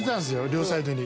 両サイドに。